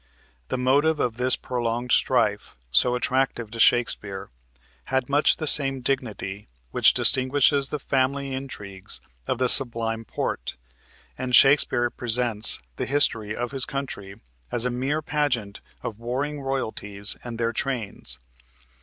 The motive of this prolonged strife so attractive to Shakespeare had much the same dignity which distinguishes the family intrigues of the Sublime Porte, and Shakespeare presents the history of his country as a mere pageant of warring royalties and their trains.